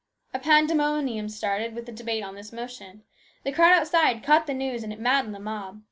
AN ORATOR. 273 A pandemonium started with the debate on this motion. The crowd outside caught the news and it maddened the mob.